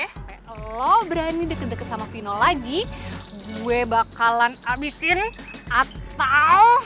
eh kalau berani deket deket sama vino lagi gue bakalan abisin atau